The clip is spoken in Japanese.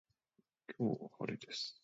今日は晴れです